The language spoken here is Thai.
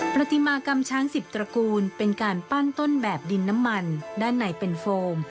ปฏิมากรรมช้างสิบตระกูลเป็นการปั้นต้นแบบดินน้ำมันด้านในเป็นโฟม